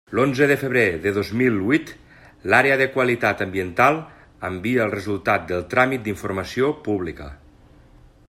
L'onze de febrer de dos mil huit l'Àrea de Qualitat Ambiental envia el resultat del tràmit d'informació pública.